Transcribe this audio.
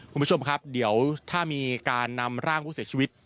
คุณผู้ชมครับเดี๋ยวถ้ามีการนำร่างผู้เสียชีวิต